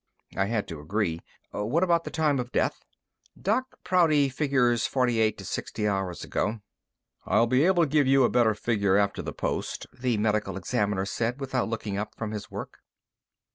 I had to agree. "What about the time of death?" "Doc Prouty figures forty eight to sixty hours ago." "I'll be able to give you a better figure after the post," the Medical Examiner said without looking up from his work.